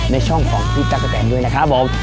ในช่องของพี่ตั๊กกะแตนด้วยนะครับผม